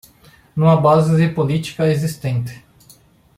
Numa base política existente